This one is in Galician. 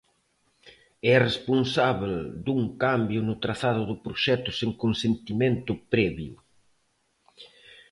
E a responsábel dun cambio no trazado do proxecto sen consentimento previo.